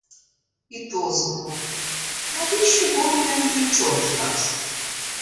І то знов: навіщо богові отой чорт здався?